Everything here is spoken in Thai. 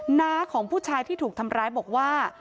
หน้าของผู้ชายที่ถูกทำร้ายบอกว่า